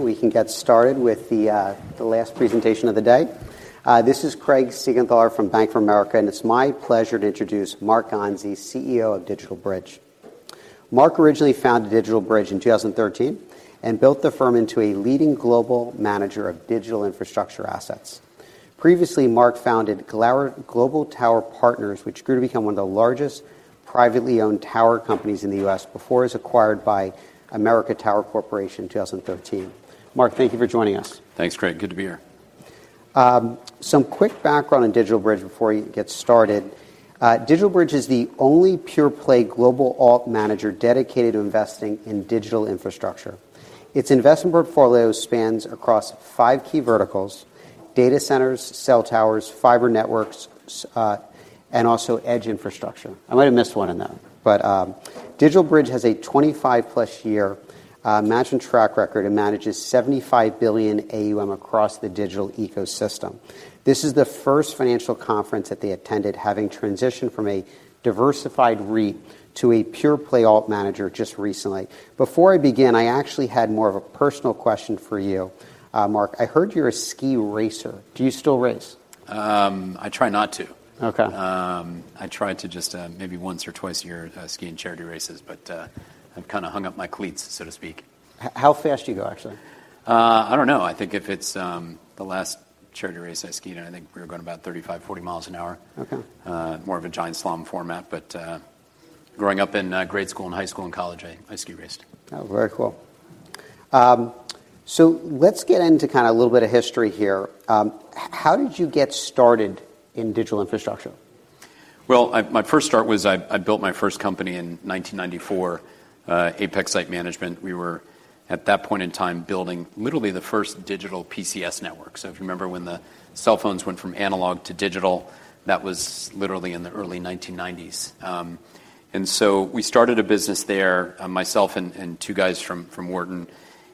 We can get started with the last presentation of the day. This is Craig Siegenthaler from Bank of America, and it's my pleasure to introduce Marc Ganzi, CEO of DigitalBridge. Marc originally founded DigitalBridge in 2013 and built the firm into a leading global manager of digital infrastructure assets. Previously, Marc founded Global Tower Partners, which grew to become one of the largest privately owned tower companies in the U.S. before it was acquired by American Tower Corporation in 2013. Marc, thank you for joining us. Thanks, Craig. Good to be here. Some quick background on DigitalBridge before we get started. DigitalBridge is the only pure-play global alt manager dedicated to investing in digital infrastructure. Its investment portfolio spans across five key verticals: data centers, cell towers, fiber networks, and also edge infrastructure. I might have missed one in there, but DigitalBridge has a 25+ year match-and-track record and manages $75 billion AUM across the digital ecosystem. This is the first financial conference that they attended, having transitioned from a diversified REIT to a pure-play alt manager just recently. Before I begin, I actually had more of a personal question for you, Marc. I heard you're a ski racer. Do you still race? I try not to. I try to just maybe once or twice a year ski in charity races, but I've kind of hung up my cleats, so to speak. How fast do you go, actually? I don't know. I think if it's the last charity race I skied in, I think we were going about 35-40 miles an hour. More of a giant slalom format. But growing up in grade school and high school and college, I ski raced. Oh, very cool. So let's get into kind of a little bit of history here. How did you get started in digital infrastructure? Well, my first start was I built my first company in 1994, Apex Site Management. We were, at that point in time, building literally the first digital PCS network. So if you remember when the cell phones went from analog to digital, that was literally in the early 1990s. And so we started a business there, myself and two guys from Wharton,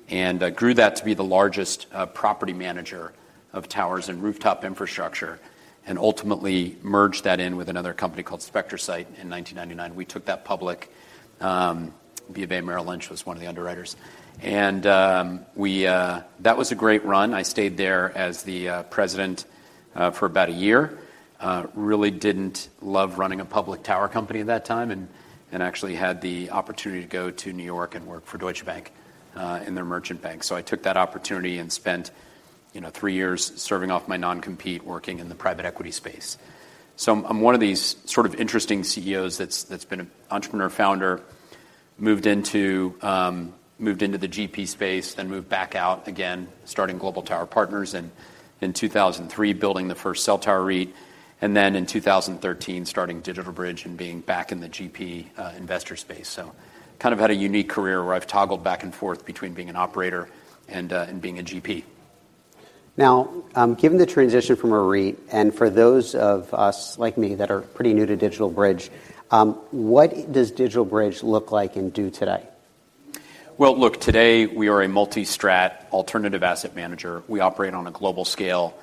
and grew that to be the largest property manager of towers and rooftop infrastructure and ultimately merged that in with another company called SpectraSite in 1999. We took that public. BofA Merrill Lynch was one of the underwriters. And that was a great run. I stayed there as the president for about a year. Really didn't love running a public tower company at that time and actually had the opportunity to go to New York and work for Deutsche Bank in their merchant bank. So I took that opportunity and spent three years serving off my non-compete, working in the private equity space. So I'm one of these sort of interesting CEOs that's been an entrepreneur-founder, moved into the GP space, then moved back out again, starting Global Tower Partners, and in 2003 building the first cell tower REIT, and then in 2013 starting DigitalBridge and being back in the GP investor space. So kind of had a unique career where I've toggled back and forth between being an operator and being a GP. Now, given the transition from a REIT, and for those of us like me that are pretty new to DigitalBridge, what does DigitalBridge look like and do today? Well, look, today we are a multi-strat alternative asset manager. We operate on a global scale,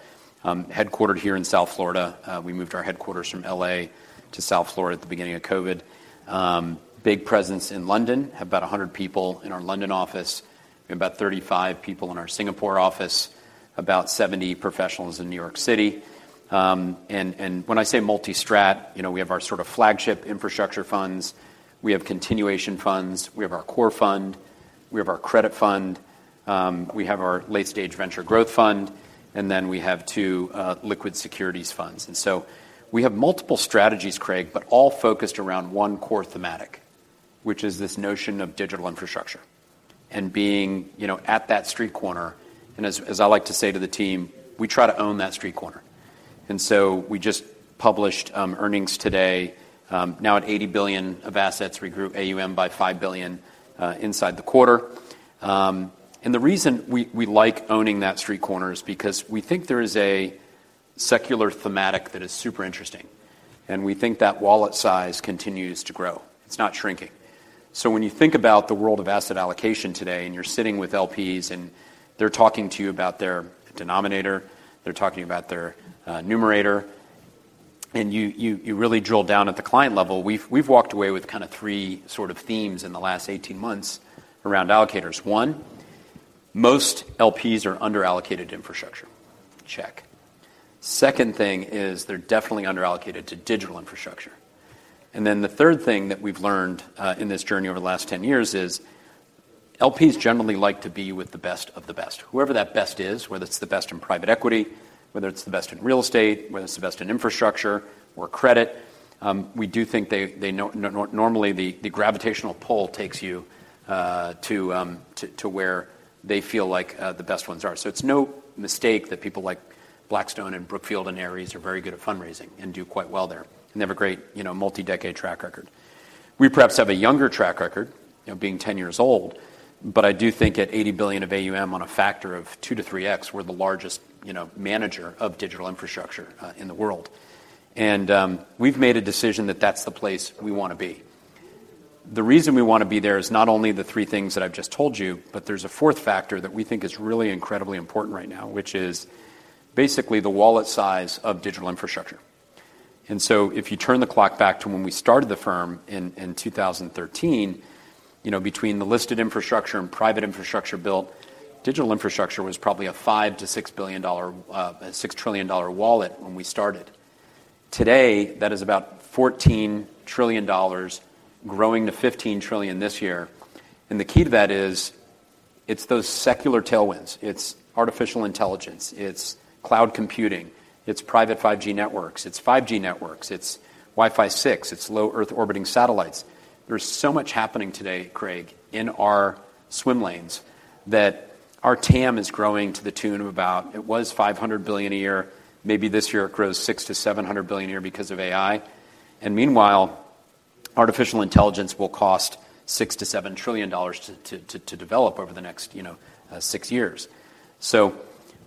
headquartered here in South Florida. We moved our headquarters from L.A. to South Florida at the beginning of COVID. Big presence in London. Have about 100 people in our London office. We have about 35 people in our Singapore office. About 70 professionals in New York City. And when I say multi-strat, we have our sort of flagship infrastructure funds. We have continuation funds. We have our core fund. We have our credit fund. We have our late-stage venture growth fund. And then we have two liquid securities funds. And so we have multiple strategies, Craig, but all focused around one core theme, which is this notion of digital infrastructure and being at that street corner. And as I like to say to the team, we try to own that street corner. And so we just published earnings today. Now at $80 billion of assets, grew our AUM by $5 billion inside the quarter. And the reason we like owning that street corner is because we think there is a secular thematic that is super interesting. And we think that wallet size continues to grow. It's not shrinking. So when you think about the world of asset allocation today and you're sitting with LPs and they're talking to you about their denominator, they're talking about their numerator, and you really drill down at the client level, we've walked away with kind of three sort of themes in the last 18 months around allocators. One, most LPs are under-allocated infrastructure. Check. Second thing is they're definitely under-allocated to digital infrastructure. And then the third thing that we've learned in this journey over the last 10 years is LPs generally like to be with the best of the best. Whoever that best is, whether it's the best in private equity, whether it's the best in real estate, whether it's the best in infrastructure or credit, we do think they normally the gravitational pull takes you to where they feel like the best ones are. So it's no mistake that people like Blackstone and Brookfield and Ares are very good at fundraising and do quite well there. And they have a great multi-decade track record. We perhaps have a younger track record, being 10 years old, but I do think at $80 billion of AUM on a factor of 2-3x, we're the largest manager of digital infrastructure in the world. We've made a decision that that's the place we want to be. The reason we want to be there is not only the three things that I've just told you, but there's a fourth factor that we think is really incredibly important right now, which is basically the wallet size of digital infrastructure. So if you turn the clock back to when we started the firm in 2013, between the listed infrastructure and private infrastructure built, digital infrastructure was probably a $5-$6 trillion wallet when we started. Today, that is about $14 trillion, growing to $15 trillion this year. The key to that is it's those secular tailwinds. It's artificial intelligence. It's cloud computing. It's private 5G networks. It's 5G networks. It's Wi-Fi 6. It's low Earth orbiting satellites. There's so much happening today, Craig, in our swim lanes that our TAM is growing to the tune of about $500 billion a year. It was $500 billion a year. Maybe this year it grows $600-$700 billion a year because of AI. And meanwhile, artificial intelligence will cost $6-$7 trillion to develop over the next six years. So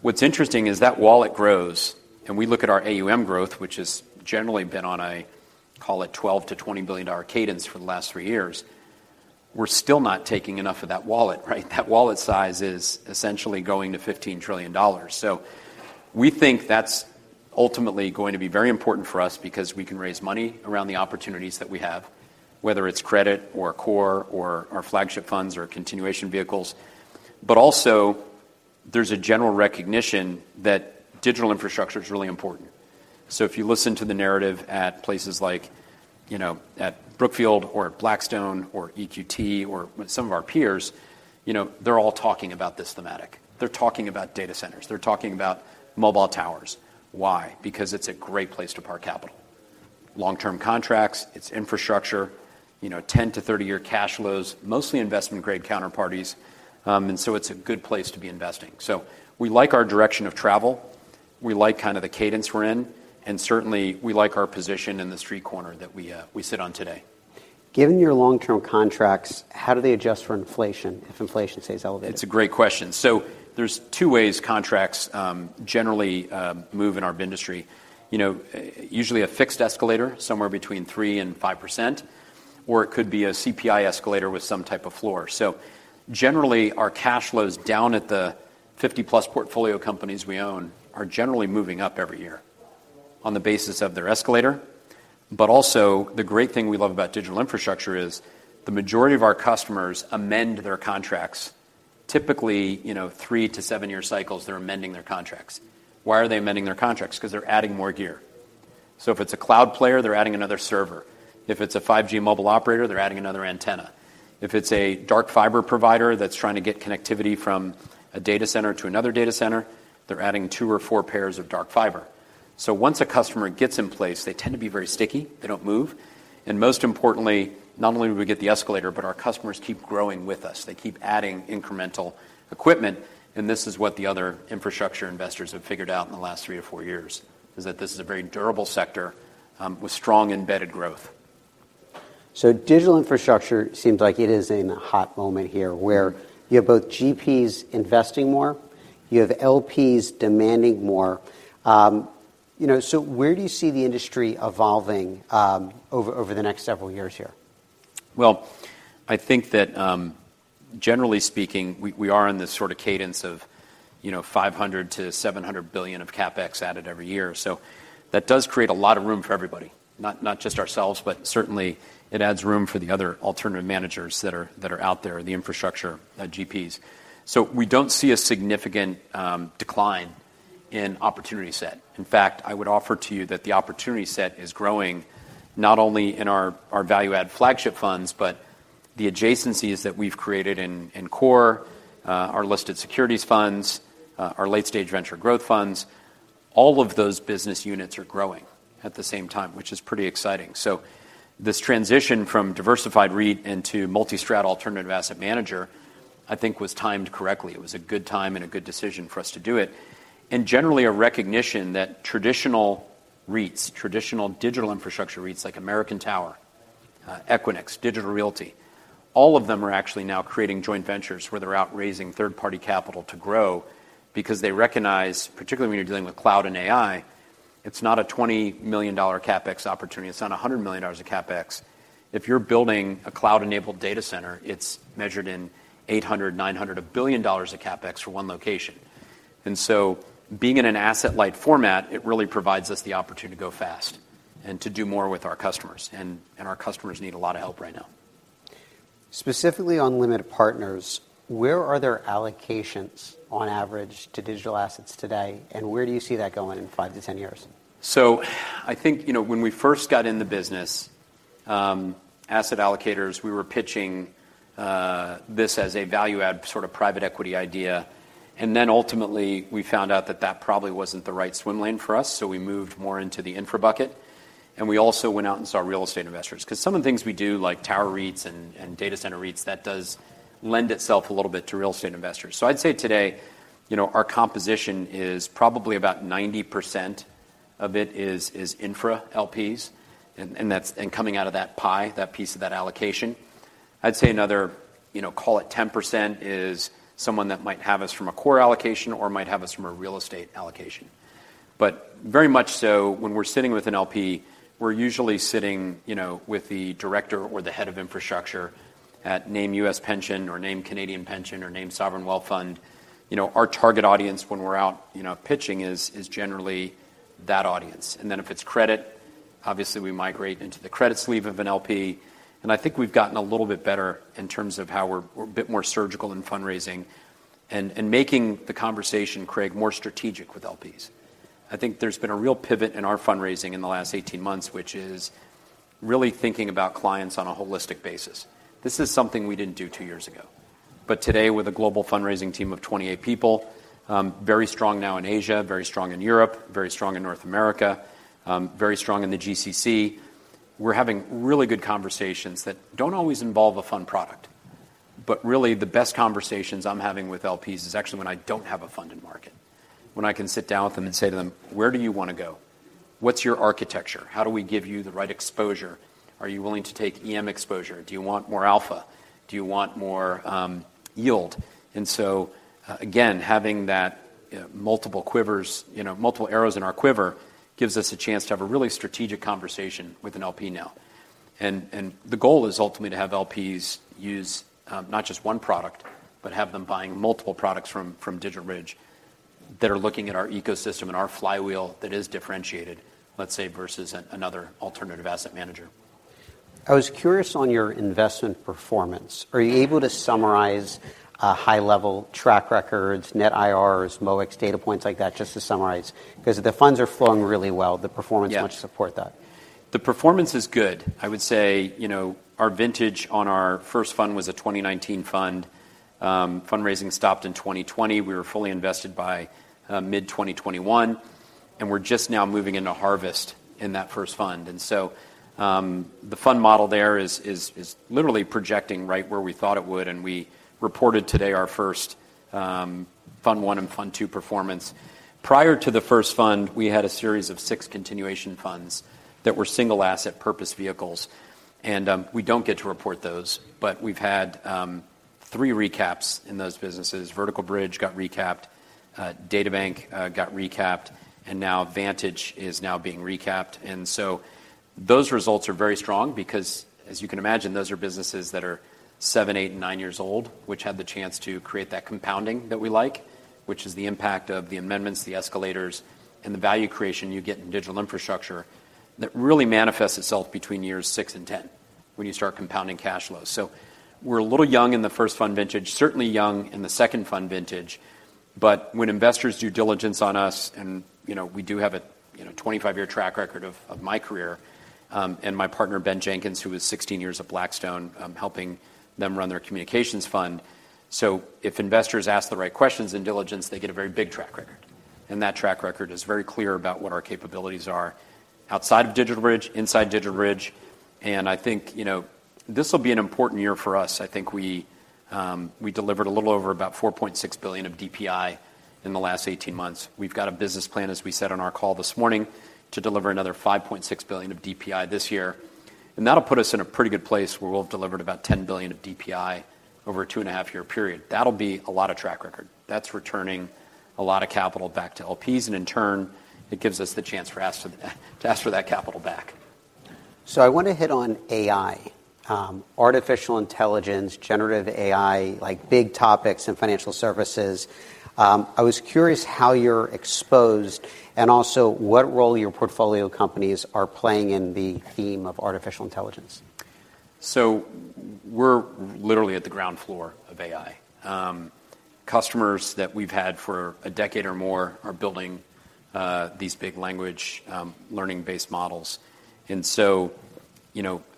what's interesting is that wallet grows, and we look at our AUM growth, which has generally been on a, call it, $12-$20 billion cadence for the last three years. We're still not taking enough of that wallet, right? That wallet size is essentially going to $15 trillion. So we think that's ultimately going to be very important for us because we can raise money around the opportunities that we have, whether it's credit or core or our flagship funds or continuation vehicles. But also, there's a general recognition that digital infrastructure is really important. So if you listen to the narrative at places like at Brookfield or at Blackstone or EQT or some of our peers, they're all talking about this thematic. They're talking about data centers. They're talking about mobile towers. Why? Because it's a great place to park capital. Long-term contracts. It's infrastructure. 10-30-year cash flows. Mostly investment-grade counterparties. And so it's a good place to be investing. So we like our direction of travel. We like kind of the cadence we're in. And certainly, we like our position in the street corner that we sit on today. Given your long-term contracts, how do they adjust for inflation if inflation stays elevated? It's a great question. So there's 2 ways contracts generally move in our industry. Usually a fixed escalator somewhere between 3%-5%, or it could be a CPI escalator with some type of floor. So generally, our cash flows down at the 50+ portfolio companies we own are generally moving up every year on the basis of their escalator. But also, the great thing we love about digital infrastructure is the majority of our customers amend their contracts. Typically, three-seven year cycles, they're amending their contracts. Why are they amending their contracts? Because they're adding more gear. So if it's a cloud player, they're adding another server. If it's a 5G mobile operator, they're adding another antenna. If it's a dark fiber provider that's trying to get connectivity from a data center to another data center, they're adding 2 or 4 pairs of dark fiber. Once a customer gets in place, they tend to be very sticky. They don't move. Most importantly, not only do we get the escalator, but our customers keep growing with us. They keep adding incremental equipment. This is what the other infrastructure investors have figured out in the last three-four years, is that this is a very durable sector with strong embedded growth. Digital infrastructure seems like it is in a hot moment here where you have both GPs investing more, you have LPs demanding more. So where do you see the industry evolving over the next several years here? Well, I think that generally speaking, we are in this sort of cadence of $500 billion-$700 billion of CapEx added every year. So that does create a lot of room for everybody, not just ourselves, but certainly it adds room for the other alternative managers that are out there, the infrastructure GPs. So we don't see a significant decline in opportunity set. In fact, I would offer to you that the opportunity set is growing not only in our value-add flagship funds, but the adjacencies that we've created in core, our listed securities funds, our late-stage venture growth funds. All of those business units are growing at the same time, which is pretty exciting. So this transition from diversified REIT into multi-strat alternative asset manager, I think, was timed correctly. It was a good time and a good decision for us to do it. And generally, a recognition that traditional REITs, traditional digital infrastructure REITs like American Tower, Equinix, Digital Realty, all of them are actually now creating joint ventures where they're outraising third-party capital to grow because they recognize, particularly when you're dealing with cloud and AI, it's not a $20 million CapEx opportunity. It's not $100 million of CapEx. If you're building a cloud-enabled data center, it's measured in $800 million, $900 million, $1 billion of CapEx for one location. And so being in an asset-light format, it really provides us the opportunity to go fast and to do more with our customers. And our customers need a lot of help right now. Specifically on limited partners, where are their allocations on average to digital assets today, and where do you see that going in 5-10 years? So I think when we first got in the business, asset allocators, we were pitching this as a value-add sort of private equity idea. And then ultimately, we found out that that probably wasn't the right swim lane for us. So we moved more into the infra bucket. And we also went out and saw real estate investors. Because some of the things we do, like tower REITs and data center REITs, that does lend itself a little bit to real estate investors. So I'd say today, our composition is probably about 90% of it is infra LPs and coming out of that pie, that piece of that allocation. I'd say another, call it 10%, is someone that might have us from a core allocation or might have us from a real estate allocation. But very much so, when we're sitting with an LP, we're usually sitting with the director or the head of infrastructure at name U.S. Pension or name Canadian Pension or name Sovereign Wealth Fund. Our target audience when we're out pitching is generally that audience. And then if it's credit, obviously, we migrate into the credit sleeve of an LP. And I think we've gotten a little bit better in terms of how we're a bit more surgical in fundraising and making the conversation, Craig, more strategic with LPs. I think there's been a real pivot in our fundraising in the last 18 months, which is really thinking about clients on a holistic basis. This is something we didn't do two years ago. But today, with a global fundraising team of 28 people, very strong now in Asia, very strong in Europe, very strong in North America, very strong in the GCC, we're having really good conversations that don't always involve a fund product. But really, the best conversations I'm having with LPs is actually when I don't have a fund in market, when I can sit down with them and say to them, Where do you want to go? What's your architecture? How do we give you the right exposure? Are you willing to take EM exposure? Do you want more alpha? Do you want more yield? And so again, having that multiple quivers, multiple arrows in our quiver gives us a chance to have a really strategic conversation with an LP now. The goal is ultimately to have LPs use not just one product, but have them buying multiple products from DigitalBridge that are looking at our ecosystem and our flywheel that is differentiated, let's say, versus another alternative asset manager. I was curious on your investment performance. Are you able to summarize high-level track records, net IRRs, MOIC data points like that, just to summarize? Because the funds are flowing really well. The performance must support that. Yeah. The performance is good. I would say our vintage on our first fund was a 2019 fund. Fundraising stopped in 2020. We were fully invested by mid-2021. And we're just now moving into harvest in that first fund. And so the fund model there is literally projecting right where we thought it would. And we reported today our first Fund I and Fund II performance. Prior to the first fund, we had a series of six continuation funds that were single asset purpose vehicles. And we don't get to report those, but we've had three recaps in those businesses. Vertical Bridge got recapped. DataBank got recapped. And now Vantage is now being recapped. Those results are very strong because, as you can imagine, those are businesses that are seven, eight, and nine years old, which had the chance to create that compounding that we like, which is the impact of the amendments, the escalators, and the value creation you get in digital infrastructure that really manifests itself between years six and 10 when you start compounding cash flows. We're a little young in the first fund vintage, certainly young in the second fund vintage. When investors do diligence on us, and we do have a 25-year track record of my career and my partner, Ben Jenkins, who was 16 years at Blackstone, helping them run their communications fund. If investors ask the right questions in diligence, they get a very big track record. That track record is very clear about what our capabilities are outside of DigitalBridge, inside DigitalBridge. I think this will be an important year for us. I think we delivered a little over about $4.6 billion of DPI in the last 18 months. We've got a business plan, as we said on our call this morning, to deliver another $5.6 billion of DPI this year. That'll put us in a pretty good place where we'll have delivered about $10 billion of DPI over a 2.5-year period. That'll be a lot of track record. That's returning a lot of capital back to LPs. In turn, it gives us the chance for us to ask for that capital back. I want to hit on AI, artificial intelligence, generative AI, like big topics in financial services. I was curious how you're exposed and also what role your portfolio companies are playing in the theme of artificial intelligence? So we're literally at the ground floor of AI. Customers that we've had for a decade or more are building these big language learning-based models. And so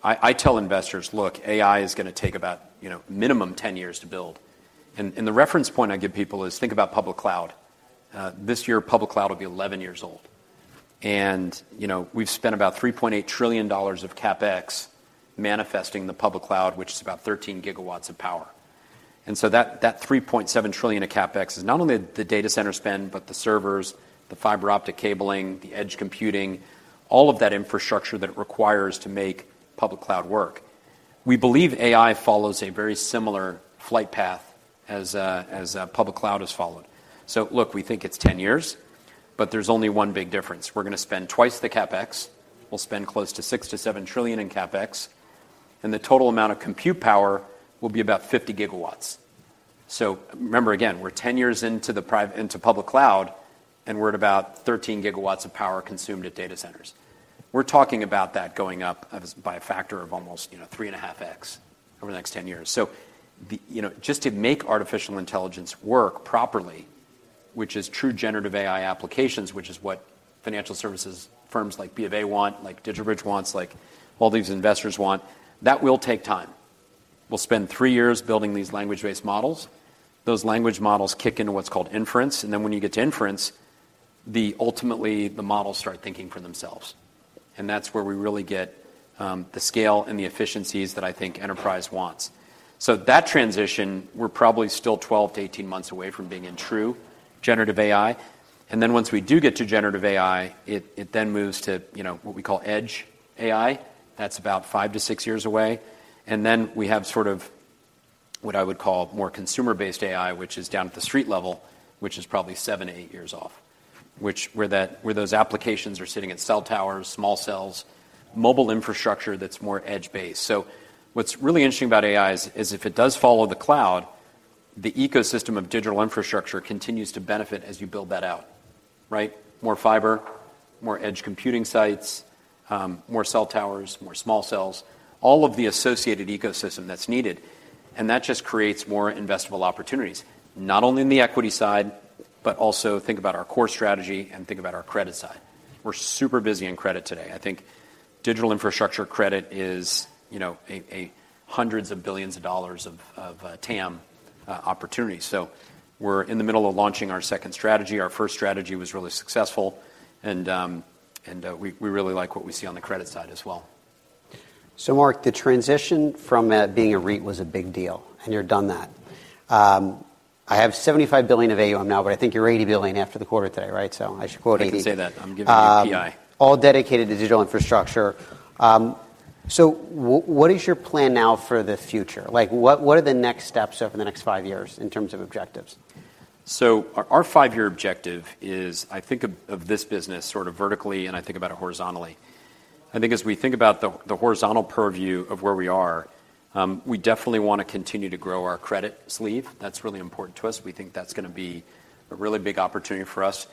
I tell investors, Look, AI is going to take about minimum 10 years to build. And the reference point I give people is think public cloud. This public cloud will be 11 years old. And we've spent about $3.8 trillion of CapEx manifesting public cloud, which is about 13 GW of power. And so that $3.7 trillion of CapEx is not only the data center spend, but the servers, the fiber optic cabling, the edge computing, all of that infrastructure that it requires to public cloud work. We believe AI follows a very similar flight path public cloud has followed. So look, we think it's 10 years, but there's only one big difference. We're going to spend twice the CapEx. We'll spend close to $6-$7 trillion in CapEx. The total amount of compute power will be about 50 GWs. So remember, again, we're 10 years into public cloud, and we're at about 13 GWs of power consumed at data centers. We're talking about that going up by a factor of almost 3.5x over the next 10 years. So just to make artificial intelligence work properly, which is true Generative AI applications, which is what financial services firms like BofA want, like DigitalBridge wants, like all these investors want, that will take time. We'll spend three years building these language-based models. Those language models kick into what's called inference. And then when you get to inference, ultimately, the models start thinking for themselves. And that's where we really get the scale and the efficiencies that I think enterprise wants. So that transition, we're probably still 12-18 months away from being in true Generative AI. And then once we do get to Generative AI, it then moves to what we call edge AI. That's about five-six years away. And then we have sort of what I would call more consumer-based AI, which is down at the street level, which is probably seven-eight years off, where those applications are sitting at cell towers, small cells, mobile infrastructure that's more edge-based. So what's really interesting about AI is if it does follow the cloud, the ecosystem of digital infrastructure continues to benefit as you build that out, right? More fiber, more edge computing sites, more cell towers, more small cells, all of the associated ecosystem that's needed. That just creates more investable opportunities, not only in the equity side, but also think about our core strategy and think about our credit side. We're super busy in credit today. I think digital infrastructure credit is $hundreds of billions of TAM opportunities. We're in the middle of launching our second strategy. Our first strategy was really successful. We really like what we see on the credit side as well. Mark, the transition from being a REIT was a big deal. You've done that. I have $75 billion of AUM now, but I think you're $80 billion after the quarter today, right? I should quote $80. I can say that. I'm giving you PI. All dedicated to digital infrastructure. So what is your plan now for the future? What are the next steps over the next five years in terms of objectives? Our five-year objective is, I think, of this business sort of vertically, and I think about it horizontally. I think as we think about the horizontal purview of where we are, we definitely want to continue to grow our credit sleeve. That's really important to us. We think that's going to be a really big opportunity for us.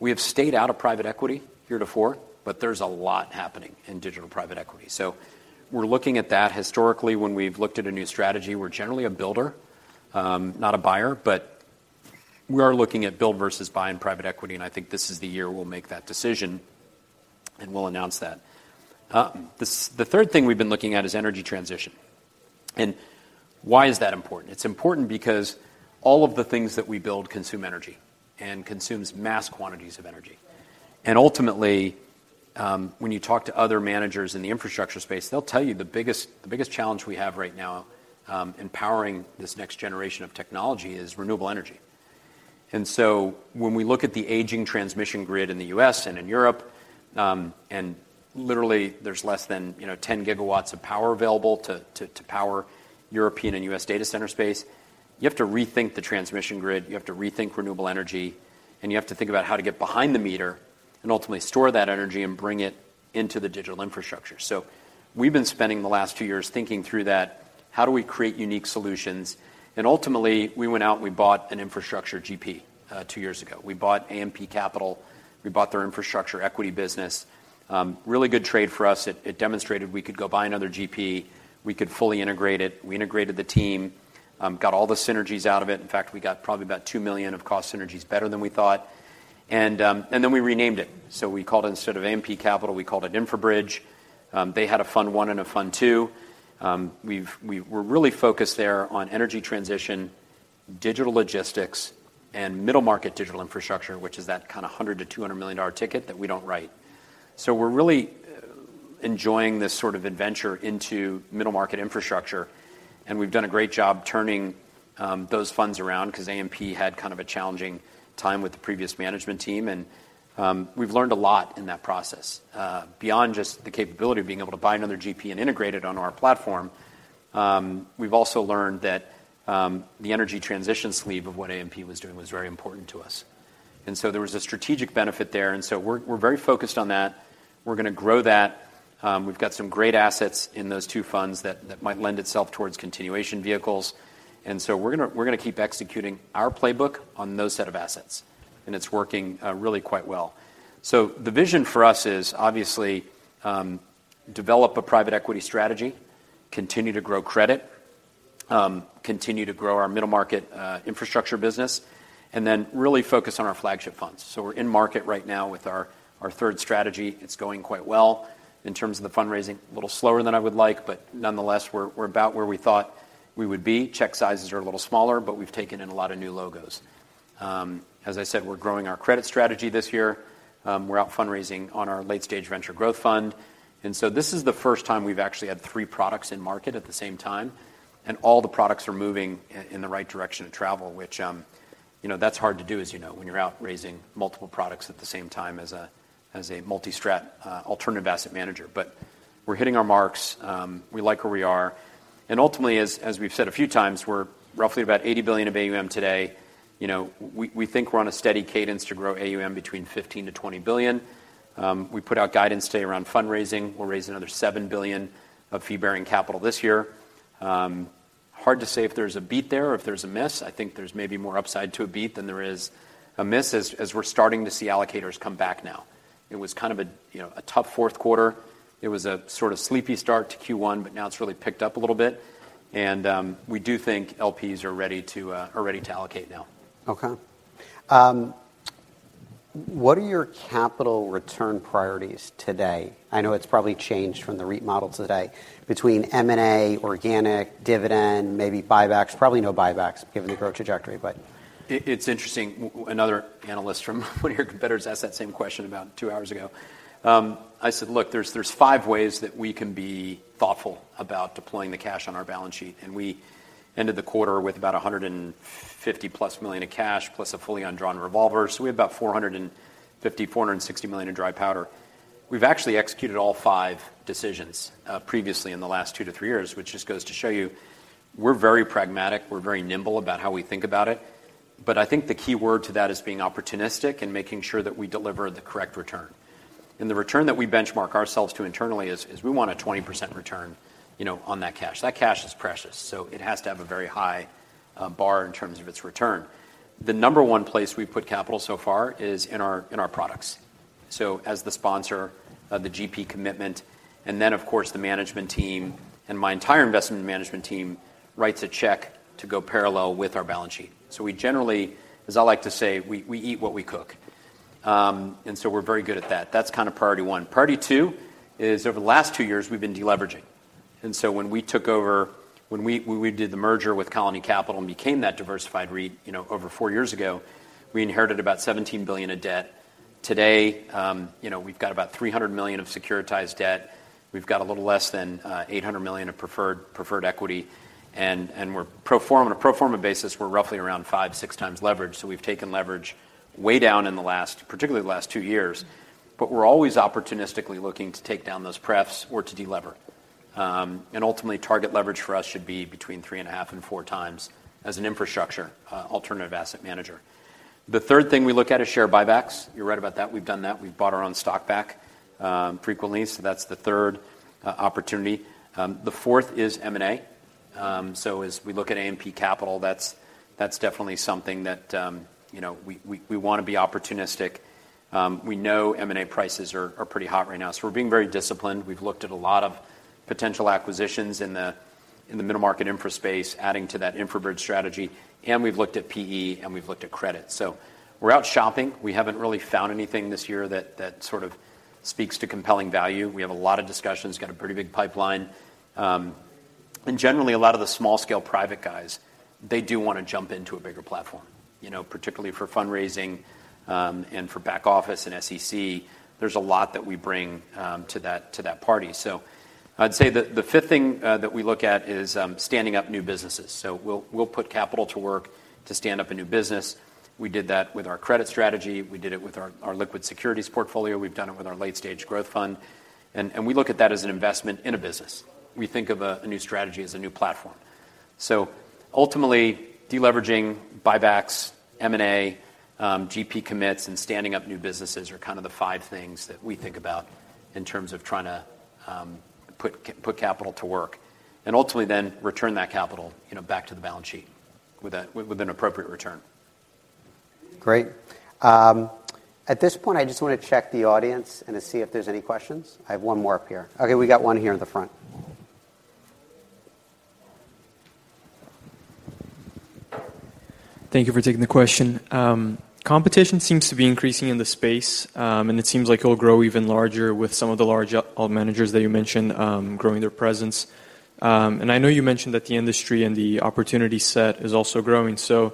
We have stayed out of private equity year to four, but there's a lot happening in digital private equity. So we're looking at that. Historically, when we've looked at a new strategy, we're generally a builder, not a buyer. But we are looking at build versus buy in private equity. And I think this is the year we'll make that decision and we'll announce that. The third thing we've been looking at is energy transition. And why is that important? It's important because all of the things that we build consume energy and consume mass quantities of energy. And ultimately, when you talk to other managers in the infrastructure space, they'll tell you the biggest challenge we have right now empowering this next generation of technology is renewable energy. And so when we look at the aging transmission grid in the U.S. and in Europe, and literally, there's less than 10 GW of power available to power European and U.S. data center space, you have to rethink the transmission grid. You have to rethink renewable energy. And you have to think about how to get behind the meter and ultimately store that energy and bring it into the digital infrastructure. So we've been spending the last two years thinking through that, how do we create unique solutions? And ultimately, we went out and we bought an infrastructure GP two years ago. We bought AMP Capital. We bought their infrastructure equity business. Really good trade for us. It demonstrated we could go buy another GP. We could fully integrate it. We integrated the team, got all the synergies out of it. In fact, we got probably about $2 million of cost synergies better than we thought. And then we renamed it. So we called it, instead of AMP Capital, we called it InfraBridge. They had a Fund I and a Fund 2. We're really focused there on energy transition, digital logistics, and middle-market digital infrastructure, which is that kind of $100 million-$200 million ticket that we don't write. So we're really enjoying this sort of adventure into middle-market infrastructure. We've done a great job turning those funds around because AMP had kind of a challenging time with the previous management team. We've learned a lot in that process beyond just the capability of being able to buy another GP and integrate it on our platform. We've also learned that the energy transition sleeve of what AMP was doing was very important to us. So there was a strategic benefit there. We're very focused on that. We're going to grow that. We've got some great assets in those two funds that might lend itself towards continuation vehicles. We're going to keep executing our playbook on those set of assets. It's working really quite well. So the vision for us is, obviously, develop a private equity strategy, continue to grow credit, continue to grow our middle-market infrastructure business, and then really focus on our flagship funds. So we're in market right now with our third strategy. It's going quite well in terms of the fundraising, a little slower than I would like, but nonetheless, we're about where we thought we would be. Check sizes are a little smaller, but we've taken in a lot of new logos. As I said, we're growing our credit strategy this year. We're out fundraising on our late-stage venture growth fund. And so this is the first time we've actually had three products in market at the same time. All the products are moving in the right direction of travel, which that's hard to do, as you know, when you're out raising multiple products at the same time as a multi-strat alternative asset manager. But we're hitting our marks. We like where we are. And ultimately, as we've said a few times, we're roughly at about $80 billion of AUM today. We think we're on a steady cadence to grow AUM between $15-$20 billion. We put out guidance today around fundraising. We'll raise another $7 billion of fee-bearing capital this year. Hard to say if there's a beat there or if there's a miss. I think there's maybe more upside to a beat than there is a miss as we're starting to see allocators come back now. It was kind of a tough fourth quarter. It was a sort of sleepy start to Q1, but now it's really picked up a little bit. We do think LPs are ready to allocate now. Okay. What are your capital return priorities today? I know it's probably changed from the REIT model today between M&A, organic, dividend, maybe buybacks, probably no buybacks given the growth trajectory, but. It's interesting. Another analyst from one of your competitors asked that same question about 2 hours ago. I said, Look, there's 5 ways that we can be thoughtful about deploying the cash on our balance sheet. And we ended the quarter with about $150+ million of cash plus a fully undrawn revolver. So we have about $450-$460 million in dry powder. We've actually executed all 5 decisions previously in the last 2-3 years, which just goes to show you we're very pragmatic. We're very nimble about how we think about it. But I think the key word to that is being opportunistic and making sure that we deliver the correct return. And the return that we benchmark ourselves to internally is we want a 20% return on that cash. That cash is precious. So it has to have a very high bar in terms of its return. The number 1 place we put capital so far is in our products. So as the sponsor, the GP commitment, and then, of course, the management team, and my entire investment management team writes a check to go parallel with our balance sheet. So we generally, as I like to say, we eat what we cook. And so we're very good at that. That's kind of priority 1. Priority 2 is over the last 2 years, we've been deleveraging. And so when we took over, when we did the merger with Colony Capital and became that diversified REIT over 4 years ago, we inherited about $17 billion of debt. Today, we've got about $300 million of securitized debt. We've got a little less than $800 million of preferred equity. On a pro forma basis, we're roughly around five-six times leverage. So we've taken leverage way down in the last, particularly the last 2 years. But we're always opportunistically looking to take down those prefs or to delever. And ultimately, target leverage for us should be between 3.5 and 4x as an infrastructure alternative asset manager. The third thing we look at is share buybacks. You're right about that. We've done that. We've bought our own stock back frequently. So that's the third opportunity. The fourth is M&A. So as we look at AMP Capital, that's definitely something that we want to be opportunistic. We know M&A prices are pretty hot right now. So we're being very disciplined. We've looked at a lot of potential acquisitions in the middle-market infra space adding to that InfraBridge strategy. We've looked at PE, and we've looked at credit. So we're out shopping. We haven't really found anything this year that sort of speaks to compelling value. We have a lot of discussions, got a pretty big pipeline. Generally, a lot of the small-scale private guys, they do want to jump into a bigger platform, particularly for fundraising and for back office and SEC. There's a lot that we bring to that party. I'd say the fifth thing that we look at is standing up new businesses. We'll put capital to work to stand up a new business. We did that with our credit strategy. We did it with our liquid securities portfolio. We've done it with our late-stage growth fund. We look at that as an investment in a business. We think of a new strategy as a new platform. Ultimately, deleveraging, buybacks, M&A, GP commits, and standing up new businesses are kind of the five things that we think about in terms of trying to put capital to work and ultimately then return that capital back to the balance sheet with an appropriate return. Great. At this point, I just want to check the audience and see if there's any questions? I have one more up here. Okay, we got one here in the front. Thank you for taking the question. Competition seems to be increasing in the space. It seems like it'll grow even larger with some of the large alt managers that you mentioned growing their presence. I know you mentioned that the industry and the opportunity set is also growing. So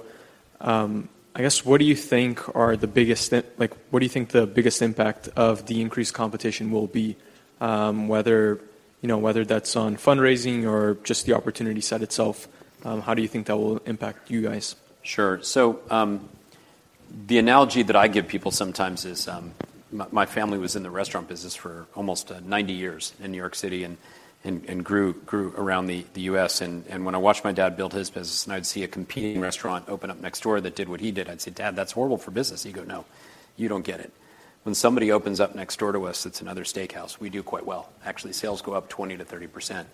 I guess, what do you think the biggest impact of the increased competition will be, whether that's on fundraising or just the opportunity set itself? How do you think that will impact you guys? Sure. So the analogy that I give people sometimes is my family was in the restaurant business for almost 90 years in New York City and grew around the US. And when I watched my dad build his business and I'd see a competing restaurant open up next door that did what he did, I'd say, Dad, that's horrible for business. He'd go, No, you don't get it. When somebody opens up next door to us, it's another steakhouse. We do quite well. Actually, sales go up 20%-30%.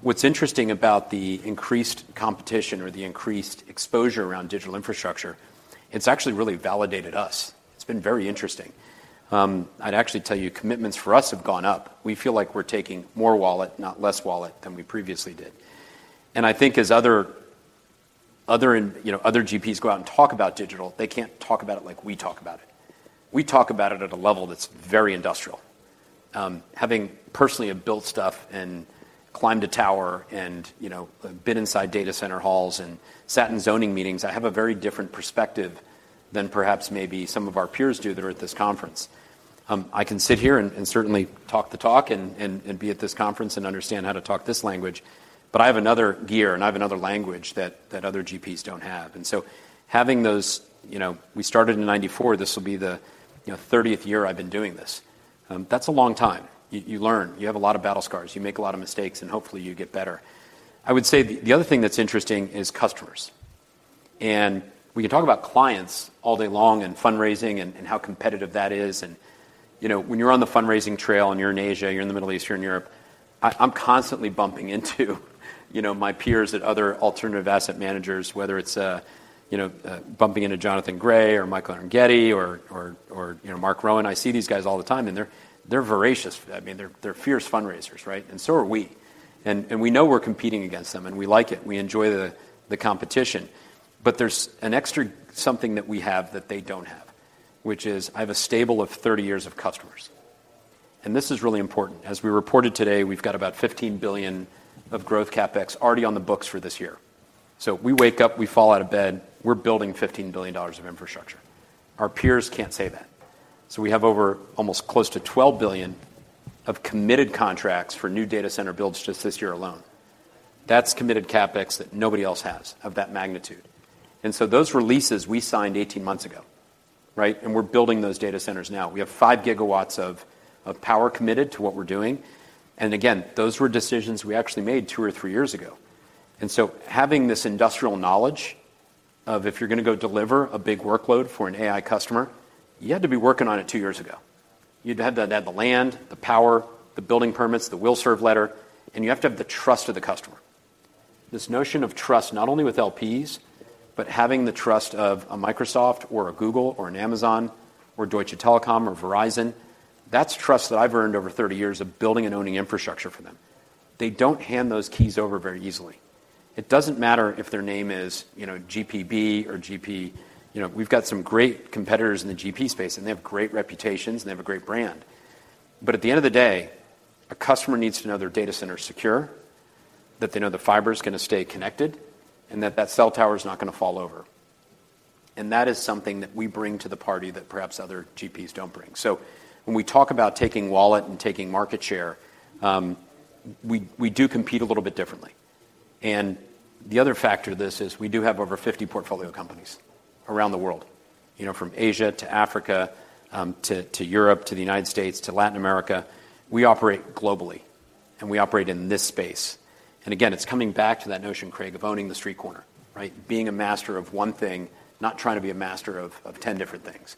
What's interesting about the increased competition or the increased exposure around digital infrastructure, it's actually really validated us. It's been very interesting. I'd actually tell you, commitments for us have gone up. We feel like we're taking more wallet, not less wallet, than we previously did. I think as other GPs go out and talk about digital, they can't talk about it like we talk about it. We talk about it at a level that's very industrial. Having personally built stuff and climbed a tower and been inside data center halls and sat in zoning meetings, I have a very different perspective than perhaps maybe some of our peers do that are at this conference. I can sit here and certainly talk the talk and be at this conference and understand how to talk this language. But I have another gear and I have another language that other GPs don't have. And so having those we started in 1994. This will be the 30th year I've been doing this. That's a long time. You learn. You have a lot of battle scars. You make a lot of mistakes. And hopefully, you get better. I would say the other thing that's interesting is customers. We can talk about clients all day long and fundraising and how competitive that is. When you're on the fundraising trail and you're in Asia, you're in the Middle East, you're in Europe, I'm constantly bumping into my peers at other alternative asset managers, whether it's bumping into Jonathan Gray or Michael Arougheti or Mark Rowan. I see these guys all the time. They're voracious. I mean, they're fierce fundraisers, right? So are we. We know we're competing against them. We like it. We enjoy the competition. But there's an extra something that we have that they don't have, which is I have a stable of 30 years of customers. This is really important. As we reported today, we've got about $15 billion of growth CapEx already on the books for this year. So we wake up, we fall out of bed, we're building $15 billion of infrastructure. Our peers can't say that. So we have over almost close to $12 billion of committed contracts for new data center builds just this year alone. That's committed CapEx that nobody else has of that magnitude. And so those releases, we signed 18 months ago, right? And we're building those data centers now. We have 5 GW of power committed to what we're doing. And again, those were decisions we actually made two or three years ago. And so having this industrial knowledge of if you're going to go deliver a big workload for an AI customer, you had to be working on it two years ago. You'd have to have the land, the power, the building permits, the will serve letter. And you have to have the trust of the customer. This notion of trust, not only with LPs, but having the trust of a Microsoft or a Google or an Amazon or Deutsche Telekom or Verizon, that's trust that I've earned over 30 years of building and owning infrastructure for them. They don't hand those keys over very easily. It doesn't matter if their name is GIP or GP, we've got some great competitors in the GP space, and they have great reputations, and they have a great brand. But at the end of the day, a customer needs to know their data center is secure, that they know the fiber is going to stay connected, and that that cell tower is not going to fall over. And that is something that we bring to the party that perhaps other GPs don't bring. So when we talk about taking wallet and taking market share, we do compete a little bit differently. And the other factor to this is we do have over 50 portfolio companies around the world, from Asia to Africa to Europe to the United States to Latin America. We operate globally. And we operate in this space. And again, it's coming back to that notion, Craig, of owning the street corner, right? Being a master of one thing, not trying to be a master of 10 different things.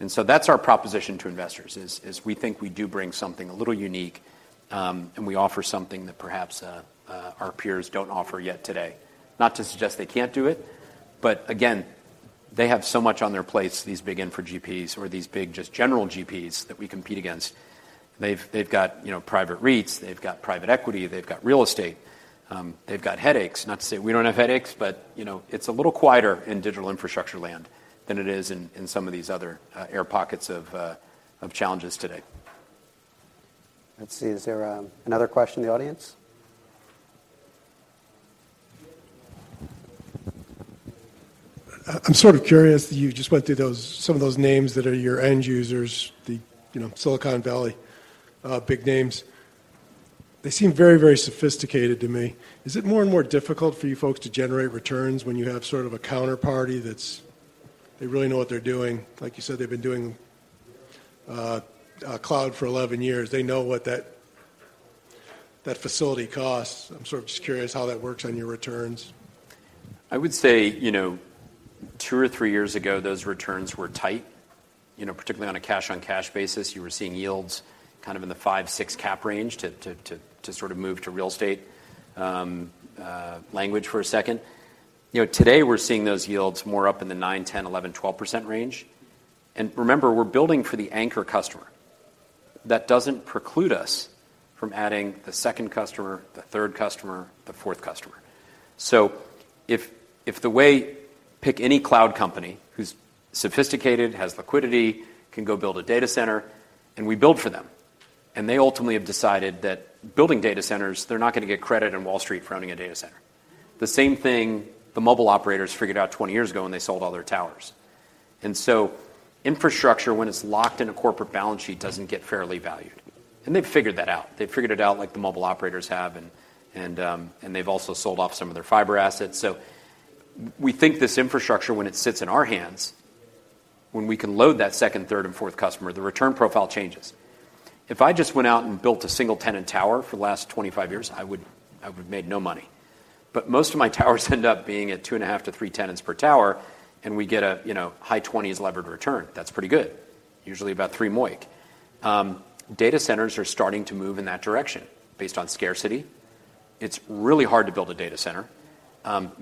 And so that's our proposition to investors is we think we do bring something a little unique, and we offer something that perhaps our peers don't offer yet today. Not to suggest they can't do it, but again, they have so much on their plate, these big infra GPs or these big just general GPs, that we compete against. They've got private REITs. They've got private equity. They've got real estate. They've got headaches. Not to say we don't have headaches, but it's a little quieter in digital infrastructure land than it is in some of these other air pockets of challenges today. Let's see. Is there another question in the audience? I'm sort of curious. You just went through some of those names that are your end users, the Silicon Valley big names. They seem very, very sophisticated to me. Is it more and more difficult for you folks to generate returns when you have sort of a counterparty that they really know what they're doing? Like you said, they've been doing cloud for 11 years. They know what that facility costs. I'm sort of just curious how that works on your returns. I would say two or three years ago, those returns were tight, particularly on a cash-on-cash basis. You were seeing yields kind of in the five-six cap range to sort of move to real estate language for a second. Today, we're seeing those yields more up in the 9%-12% range. And remember, we're building for the anchor customer. That doesn't preclude us from adding the second customer, the third customer, the fourth customer. So if the way pick any cloud company who's sophisticated, has liquidity, can go build a data center, and we build for them, and they ultimately have decided that building data centers, they're not going to get credit in Wall Street for owning a data center. The same thing the mobile operators figured out 20 years ago when they sold all their towers. Infrastructure, when it's locked in a corporate balance sheet, doesn't get fairly valued. They've figured that out. They've figured it out like the mobile operators have. They've also sold off some of their fiber assets. We think this infrastructure, when it sits in our hands, when we can load that second, third, and fourth customer, the return profile changes. If I just went out and built a single tenant tower for the last 25 years, I would have made no money. But most of my towers end up being at 2.5-3 tenants per tower, and we get a high 20s levered return. That's pretty good, usually about 3 MOIC. Data centers are starting to move in that direction based on scarcity. It's really hard to build a data center.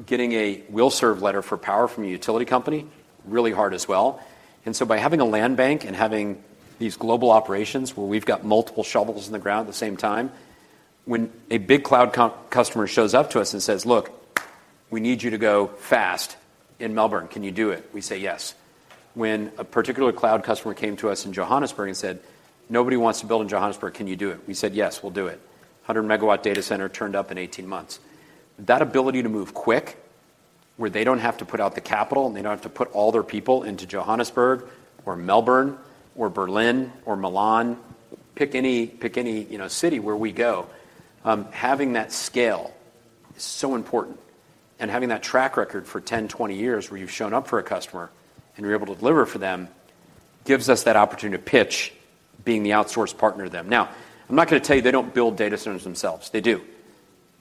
Getting a Will Serve Letter for power from a utility company is really hard as well. So by having a land bank and having these global operations where we've got multiple shovels in the ground at the same time, when a big cloud customer shows up to us and says, Look, we need you to go fast in Melbourne. Can you do it? we say, Yes." When a particular cloud customer came to us in Johannesburg and said, Nobody wants to build in Johannesburg. Can you do it? we said, Yes, we'll do it. 100-MW data center turned up in 18 months. That ability to move quick where they don't have to put out the capital, and they don't have to put all their people into Johannesburg or Melbourne or Berlin or Milan, pick any city where we go, having that scale is so important. Having that track record for 10, 20 years where you've shown up for a customer and you're able to deliver for them gives us that opportunity to pitch being the outsourced partner to them. Now, I'm not going to tell you they don't build data centers themselves. They do.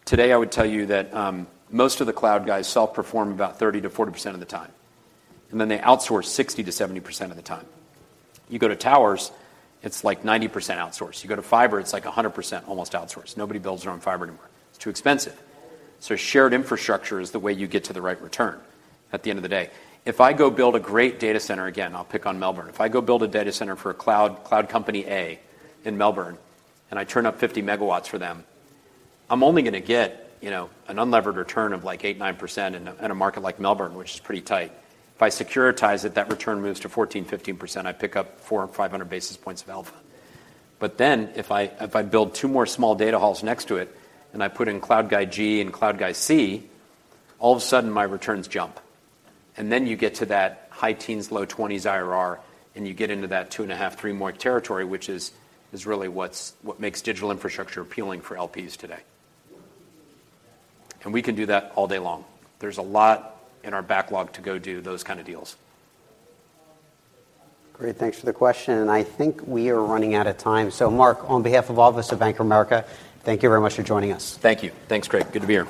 Today, I would tell you that most of the cloud guys self-perform about 30%-40% of the time. And then they outsource 60%-70% of the time. You go to towers, it's like 90% outsourced. You go to fiber, it's like 100% almost outsourced. Nobody builds their own fiber anymore. It's too expensive. So shared infrastructure is the way you get to the right return at the end of the day. If I go build a great data center again, I'll pick on Melbourne. If I go build a data center for a cloud company A in Melbourne, and I turn up 50 MW for them, I'm only going to get an unlevered return of like 8%-9% in a market like Melbourne, which is pretty tight. If I securitize it, that return moves to 14%-15%. I pick up 400-500 basis points of alpha. But then if I build two more small data halls next to it, and I put in CloudGuy G and CloudGuy C, all of a sudden, my returns jump. And then you get to that high teens, low 20s IRR, and you get into that 2.5-3 MOIC territory, which is really what makes digital infrastructure appealing for LPs today. And we can do that all day long. There's a lot in our backlog to go do those kind of deals. Great. Thanks for the question. I think we are running out of time. Mark, on behalf of all of us at Bank of America, thank you very much for joining us. Thank you. Thanks, Craig. Good to be here.